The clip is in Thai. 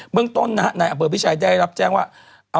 เมืองต้นนะฮะนายอำเภอพิชัยได้รับแจ้งว่า